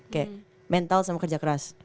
kayak mental sama kerja keras